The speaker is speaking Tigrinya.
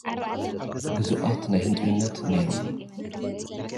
ግዙኣት ናይ ህንጥዩነት ነይሮም።